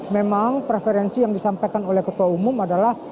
memang preferensi yang disampaikan oleh ketua umum adalah